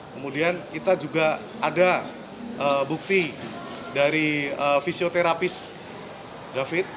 kemudian kita juga ada bukti dari fisioterapis david